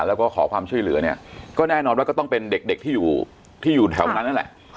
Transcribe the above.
แล้วก็ขอความช่วยเหลือเนี่ยก็แน่นอนว่าก็ต้องเป็นเด็กที่อยู่ที่อยู่แถวนั้นนั่นแหละ